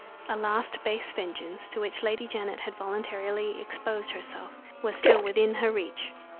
A last base vengeance, to which Lady Janet had voluntarily exposed herself, was still within her reach.